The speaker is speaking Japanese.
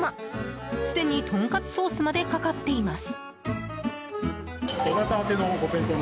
すでにトンカツソースまでかかっています。